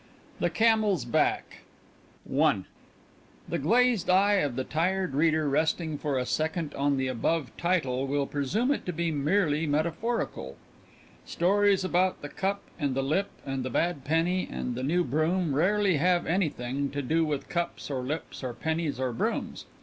THE CAMEL'S BACK The glazed eye of the tired reader resting for a second on the above title will presume it to be merely metaphorical. Stories about the cup and the lip and the bad penny and the new broom rarely have anything, to do with cups or lips or pennies or brooms.